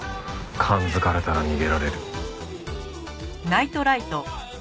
感付かれたら逃げられる。